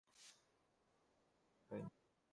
সত্যি বলতে, আমি এসব না করে থাকতেই পারি না।